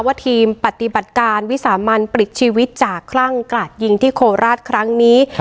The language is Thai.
ทีมปฏิบัติการวิสามันปลิดชีวิตจากคลั่งกราดยิงที่โคราชครั้งนี้